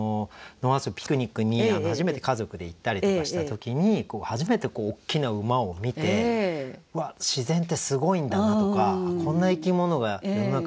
野遊びピクニックに初めて家族で行ったりとかした時に初めて大きな馬を見てうわっ自然ってすごいんだなとかこんな生き物が世の中に生きてる。